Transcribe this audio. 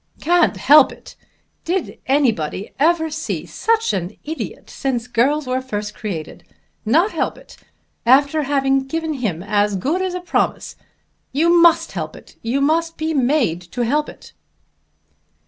"Can't help it! Did anybody ever see such an idiot since girls were first created? Not help it, after having given him as good as a promise! You must help it. You must be made to help it."